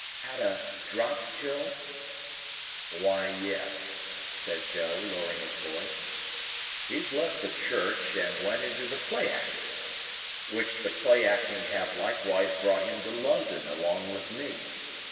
"Had a drop, Joe?" "Why yes," said Joe, lowering his voice, "he's left the Church and went into the playacting. Which the playacting have likeways brought him to London along with me.